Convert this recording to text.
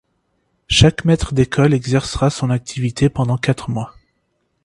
Chaque maitre d'école exercera son activité pendant quatre mois.